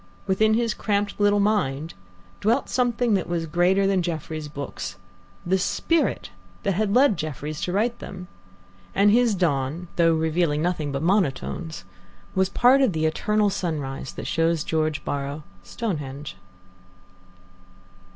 Within his cramped little mind dwelt something that was greater than Jefferies' books the spirit that led Jefferies to write them; and his dawn, though revealing nothing but monotones, was part of the eternal sunrise that shows George Borrow Stonehenge.